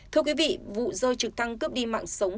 thưa quý vị vụ rơi trực thăng cướp đi mạng sống